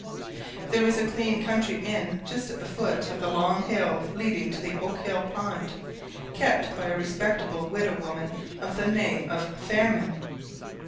There is a clean country inn just at the foot of the long hill leading to the Oakhill pond, kept by a respectable widow woman of the name of Fairman.